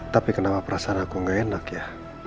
tapi kenapa perasaan aku gak enak ya